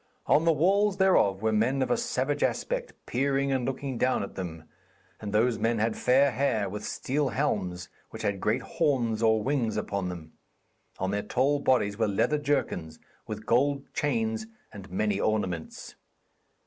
On the walls thereof were men of a savage aspect, peering and looking down at them. And those men had fair hair, with steel helms which had great horns or wings upon them. On their tall bodies were leather jerkins, with gold chains and many ornaments.